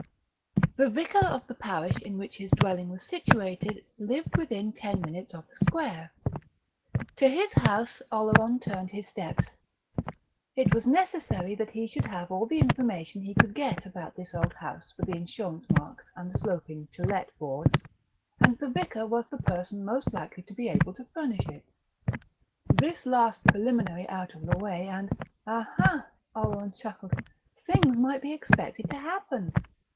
The vicar of the parish in which his dwelling was situated lived within ten minutes of the square. To his house Oleron turned his steps. It was necessary that he should have all the information he could get about this old house with the insurance marks and the sloping "To Let" boards, and the vicar was the person most likely to be able to furnish it. This last preliminary out of the way, and aha! Oleron chuckled things might be expected to happen!